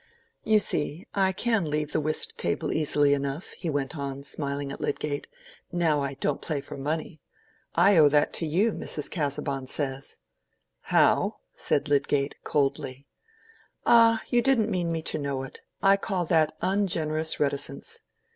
"You see, I can leave the whist table easily enough," he went on, smiling at Lydgate, "now I don't play for money. I owe that to you, Mrs. Casaubon says." "How?" said Lydgate, coldly. "Ah, you didn't mean me to know it; I call that ungenerous reticence.